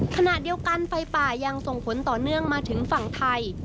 ขณะเดียวกันไฟป่ายังส่งผลต่อเนื่องมาถึงฝั่งไทย